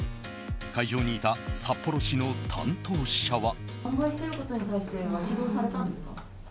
会場にいた札幌市の担当者は。